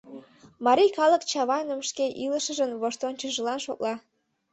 Марий калык Чавайным шке илышыжын воштончышыжлан шотла.